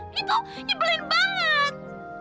gitu nyebelin banget